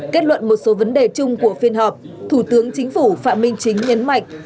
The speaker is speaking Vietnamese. kết luận một số vấn đề chung của phiên họp thủ tướng chính phủ phạm minh chính nhấn mạnh